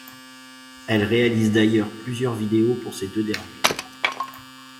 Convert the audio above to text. Elle réalise d'ailleurs plusieurs vidéos pour ces deux derniers.